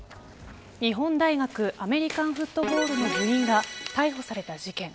日本大学アメリカンフットボール部の部員が逮捕された事件